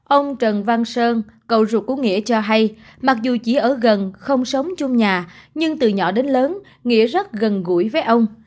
ông trần văn sơn cậu ruột của nghĩa cho hay mặc dù chỉ ở gần không sống chung nhà nhưng từ nhỏ đến lớn nghĩa rất gần gũi với ông